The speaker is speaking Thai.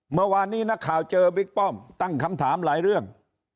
เมื่อวานนี้นักข่าวเจอบิ๊กป้อมตั้งคำถามหลายเรื่อง